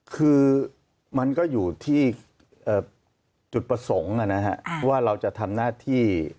คือมันก็อยู่ที่จุดประสงค์ว่าเราจะทำหน้าที่